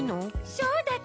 そうだった！